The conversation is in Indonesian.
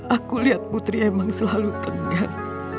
aku lihat putri emang selalu tegang